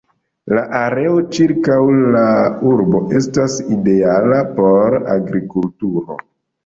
La areo ĉirkaŭ la urbo estas ideala por agrikulturo.